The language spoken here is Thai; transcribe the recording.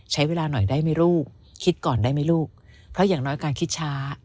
ใช้เวลาหน่อยได้ไหมลูกคิดก่อนได้ไหมลูกเพราะอย่างน้อยการคิดช้า